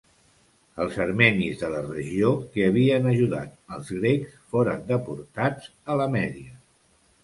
Els armenis de la regió, que havien ajudat als grecs, foren deportats a la Mèdia.